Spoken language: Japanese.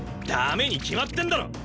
駄目に決まってんだろ！